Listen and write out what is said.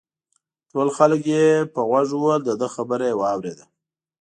ټول خلک یې په غوږ ووهل دده خبره یې واورېده.